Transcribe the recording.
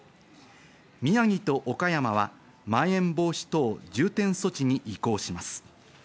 宮城と岡山は、まん延防止等重点措置に移行します。